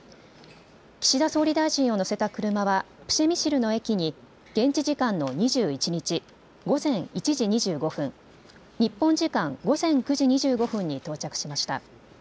岸田総理大臣を乗せた車はプシェミシルの駅に現地時間の２１日午前１時２５分、日本時間、午前９時２５分に到着しました。